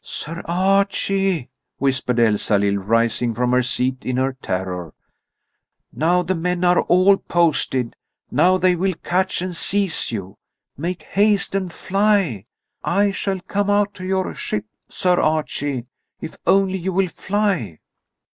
"Sir Archie," whispered Elsalill, rising from her seat in her terror; "now the men are all posted. Now they will catch and seize you. Make haste and fly! I shall come out to your ship, Sir Archie, if only you will fly."